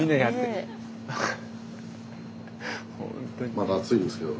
まだ熱いですけど。